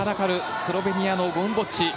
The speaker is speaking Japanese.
スロベニアのゴムボッチ。